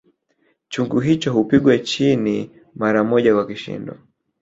Chungu hicho hupigwa chini mara moja kwa kishindo